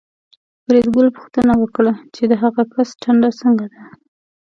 فریدګل پوښتنه وکړه چې د هغه کس ټنډه څنګه ده